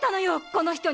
この人に！